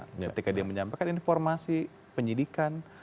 ketika dia menyampaikan informasi penyidikan